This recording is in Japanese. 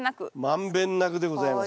満遍なくでございます。